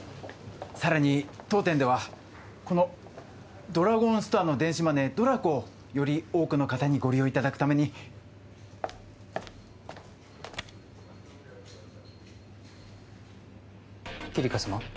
さらに当店ではこのドラゴンストアの電子マネーＤＲＡＣＯをより多くの方にご利用いただくためにキリカ様？